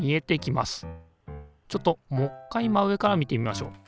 ちょっともっかい真上から見てみましょう。